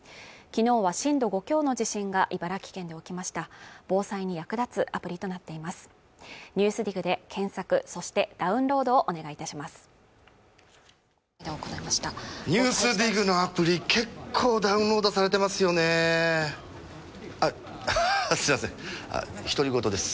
きのうは震度５強の地震が茨城県で起きました防災に役立つアプリとなっています「ＮＥＷＳＤＩＧ」で検索そしてダウンロードをお願いいたします